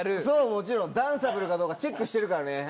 ダンサブルかどうかチェックしてるからね。